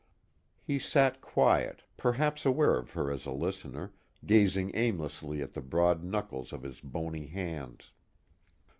He sat quiet, perhaps aware of her as a listener, gazing aimlessly at the broad knuckles of his bony hands.